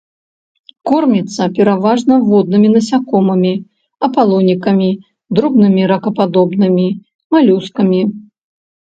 Корміцца пераважна воднымі насякомымі, апалонікамі, дробнымі ракападобнымі, малюскамі.